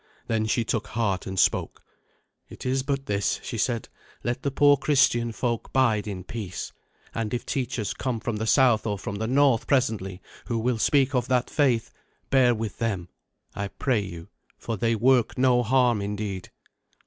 Then she took heart and spoke. "It is but this," she said. "Let the poor Christian folk bide in peace; and if teachers come from the south or from the north presently who will speak of that faith, bear with them, I pray you, for they work no harm indeed."